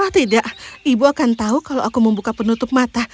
oh tidak ibu akan tahu kalau aku membuka penutup mata